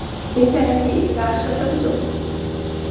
ليس عندي إلا عشرة كتب.